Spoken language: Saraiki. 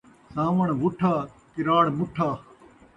ساوݨ وُٹھا ، کراڑ مُٹھا